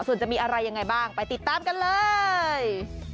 ส่วนจะมีอะไรยังไงบ้างไปติดตามกันเลย